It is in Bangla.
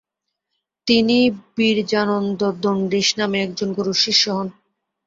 তিনি বিরজানন্দ দণ্ডিশ নামে একজন গুরুর শিষ্য হন।